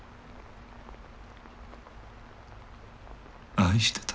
愛してた。